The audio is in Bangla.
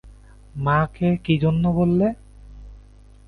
মা কে কী জন্য বললে?